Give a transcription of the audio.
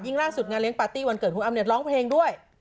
ล่าสุดงานเลี้ยปาร์ตี้วันเกิดคุณอ้ำเนี่ยร้องเพลงด้วย